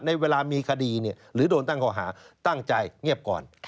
ในเวลามีคดีหรือโดนตั้งข้อหาตั้งใจเงียบก่อน